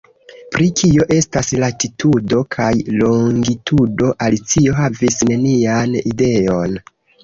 Pri kio estas latitudo kaj longitudo Alicio havis nenian ideon.